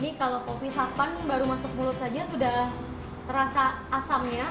ini kalau kopi sapan baru masuk mulut saja sudah terasa asamnya